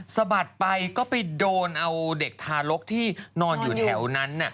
สะบัดไปก็ไปโดนเอาเด็กทารกที่นอนอยู่แถวนั้น